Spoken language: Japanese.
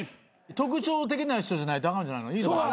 特徴的な人じゃないとあかんのじゃないの？